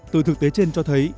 từ thực tế trên cho thấy